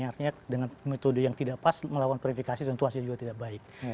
artinya dengan metode yang tidak pas melawan verifikasi tentu hasil juga tidak baik